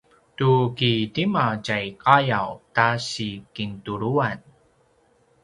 tu ki tima tjai qayaw ta si kintuluqan?